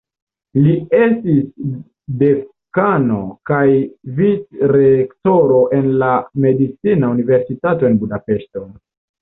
Li estis dekano kaj vicrektoro en la medicina universitato en Budapeŝto.